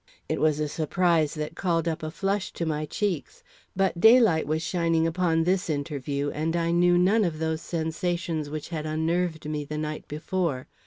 It was a surprise that called up a flush to my cheeks; but daylight was shining upon this interview, and I knew none of those sensations which had unnerved me the night before.